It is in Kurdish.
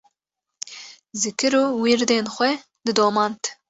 zikir û wîrdên xwe didomand